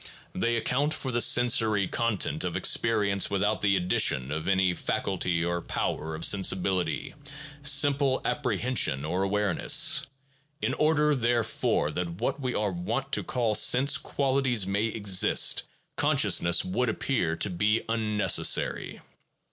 They account for the sensory content of experience without the addition of any faculty or power of sensibility, simple appre hension or awareness. In order, therefore, that what we are wont to call sense qualities may exist, consciousness would appear to be unnecessary.